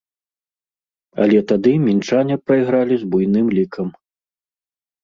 Але тады мінчане прайгралі з буйным лікам.